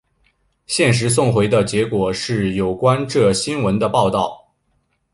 现时送回的结果是有关这新闻的报道。